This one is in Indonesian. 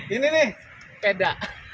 ini nih sepeda